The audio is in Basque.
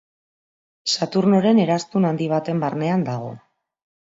Saturnoren eraztun handi baten barnean dago.